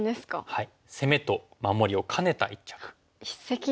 はい。